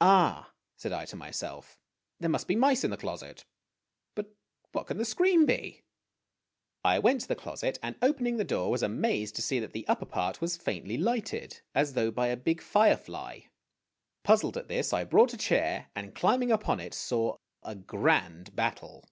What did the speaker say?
"Ah!' said I to myself, "there must be mice in the closet! But what can the scream be ?' I went to the closet, and, opening the door, was amazed to see that the upper part was faintly lighted, as though by a big firefly. Puzzled at this, I brought a chair, and, climbing upon it, saw a grand battle.